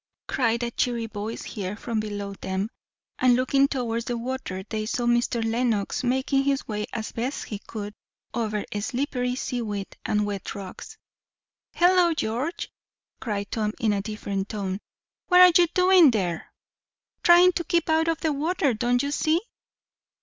cried a cheery voice here from below them; and looking towards the water they saw Mr. Lenox, making his way as best he could over slippery seaweed and wet rocks. "Hollo, George!" cried Tom in a different tone "What are you doing there?" "Trying to keep out of the water, don't you see?"